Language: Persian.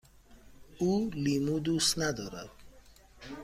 او لیمو دوست ندارد.